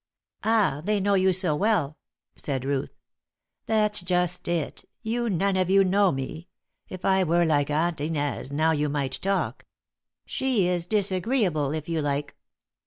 "Ah! they know you so well," said Ruth. "That's just it; you none of you know me. If I were like Aunt Inez, now, you might talk; she is disagreeable, if you like."